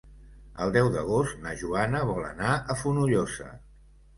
El deu d'agost na Joana vol anar a Fonollosa.